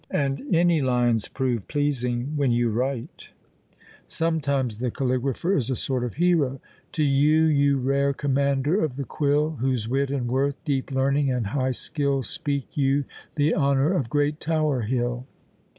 And any lines prove pleasing, when you write. Sometimes the caligrapher is a sort of hero: To you, you rare commander of the quill, Whose wit and worth, deep learning, and high skill, Speak you the honour of Great Tower Hill!